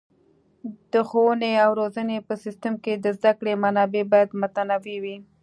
د ښوونې او روزنې په سیستم کې د زده کړې منابع باید متنوع وي.